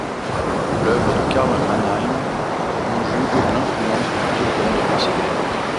L’œuvre de Karl Mannheim conjugue l’influence de plusieurs courants de pensées de l’époque.